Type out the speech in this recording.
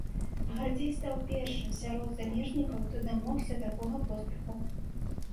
Гардзей стаў першым сярод замежнікаў, хто дамогся такога поспеху.